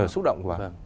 súc động quá